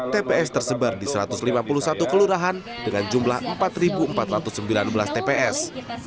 tps tersebar di satu ratus lima puluh satu kelurahan dengan jumlah empat empat ratus sembilan belas tps